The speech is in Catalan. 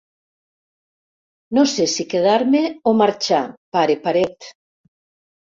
No sé si quedar-me o marxar, pare paret.